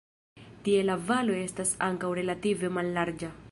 Tie la valo estas ankaŭ relative mallarĝa.